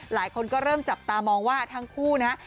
หลายคนก็เริ่มจับตามองว่าทั้งคู่นะฮะ